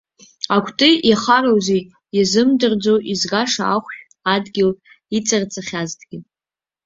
Акәты иахароузеи, иазымдырӡо, изгаша ахәшә адгьыл иҵарҵахьазҭгьы.